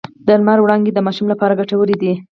د لمر وړانګې د ماشوم لپاره ګټورې دي۔